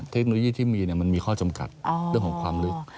เทคโนโลยีที่มีมันมีข้อจำกัดเรื่องของความลึก